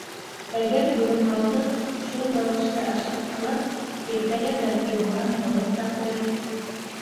Әгәр бөгөн малды шул рәүешле ашатһалар, иртәгә, бәлки, буран тымып та ҡуйыр...